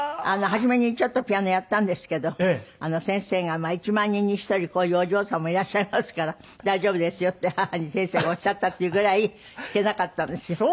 初めにちょっとピアノやったんですけど先生が「１万人に１人こういうお嬢様もいらっしゃいますから大丈夫ですよ」って母に先生がおっしゃったっていうぐらい弾けなかったんですよ。